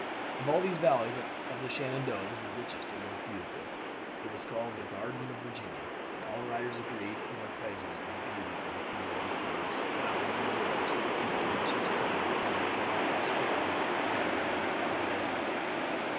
Of all these valleys that of Shenandoah was the richest and most beautiful. It was called the Garden of Virginia; and all writers agreed in their praises of the beauties of its fields and forests, mountains and rivers, its delicious climate, and the general prosperity which prevailed among its population.